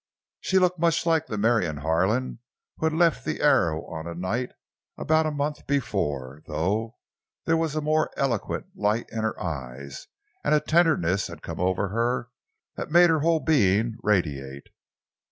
She looked much like the Marion Harlan who had left the Arrow on a night about a month before, though there was a more eloquent light in her eyes, and a tenderness had come over her that made her whole being radiate.